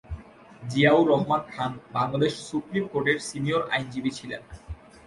Ziaur Rahman Khan Bangladesh supreme কোর্টের senior আইনজীবী ছিলেন।